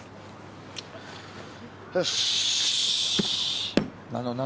よし。